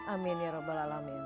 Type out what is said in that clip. amin ya rabbal alamin